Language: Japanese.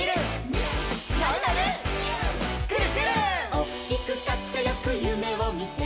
「おっきくかっちょよくゆめをみて」